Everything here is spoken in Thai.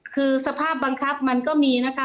คือสภาพบังคับมันก็มีนะคะ